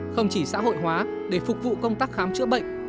không chỉ xã hội hóa để phục vụ công tác khám chữa bệnh